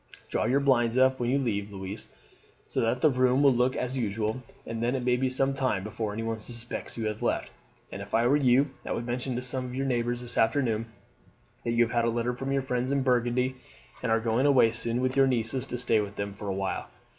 Draw your blinds up when you leave, Louise, so that the room will look as usual, and then it may be some time before anyone suspects that you have left; and if I were you I would mention to some of your neighbours this afternoon that you have had a letter from your friends in Burgundy, and are going away soon with your nieces to stay with them for a while.